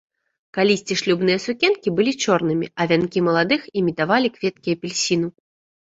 Калісьці шлюбныя сукенкі былі чорнымі, а вянкі маладых імітавалі кветкі апельсіну.